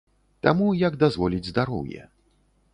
Таму, як дазволіць здароўе.